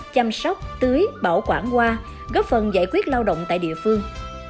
chăm sóc tưới bảo quản hoa góp phần giải quyết lao động tại địa phương